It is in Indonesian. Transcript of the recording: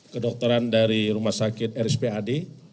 kedokteran dari rumah sakit rspad